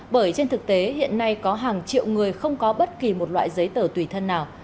bởi trên thực tế hiện nay có hàng triệu người không có bất kỳ một loại giấy tờ tùy thân nào